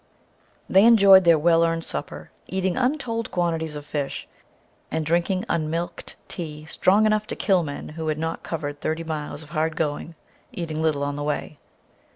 They enjoyed their well earned supper, eating untold quantities of fish, and drinking unmilked tea strong enough to kill men who had not covered thirty miles of hard "going," eating little on the way.